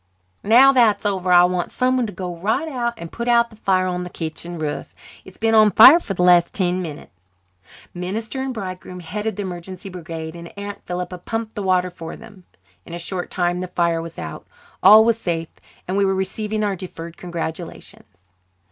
"Now that's over I want someone to go right out and put out the fire on the kitchen roof. It's been on fire for the last ten minutes." Minister and bridegroom headed the emergency brigade, and Aunt Philippa pumped the water for them. In a short time the fire was out, all was safe, and we were receiving our deferred congratulations.